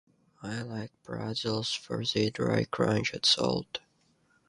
I like pretzels for their dry crunch and salt.